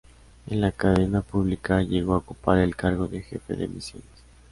En la cadena pública llegó a ocupar el cargo de Jefe de emisiones.